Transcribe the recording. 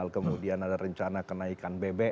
kemudian ada rencana kenaikan bbm